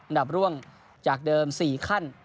นับร่วงจากเดิม๔ขั้น